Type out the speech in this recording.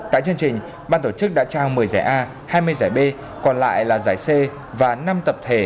tại chương trình ban tổ chức đã trao một mươi giải a hai mươi giải b còn lại là giải c và năm tập thể